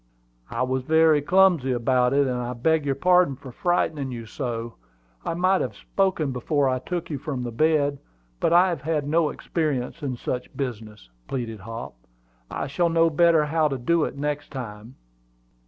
"I was very clumsy about it; and I beg your pardon for frightening you so. I might have spoken before I took you from the bed. But I have had no experience in such business," pleaded Hop. "I shall know better how to do it next time."